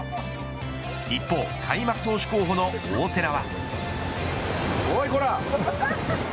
一方、開幕投手候補の大瀬良は。